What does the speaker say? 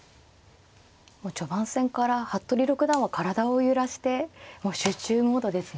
序盤戦から服部六段は体を揺らしてもう集中モードですね。